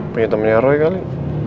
punya temennya roy kali